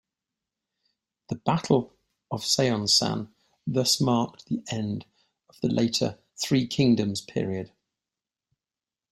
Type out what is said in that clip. The battle of Seonsan thus marked the end of the Later Three Kingdoms period.